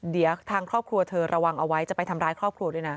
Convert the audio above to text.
เดี๋ยวทางครอบครัวเธอระวังเอาไว้จะไปทำร้ายครอบครัวด้วยนะ